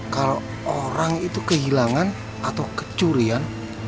kalau orang itu kehilangan atau kecurian